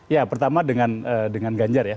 ya pertama dengan ganjar ya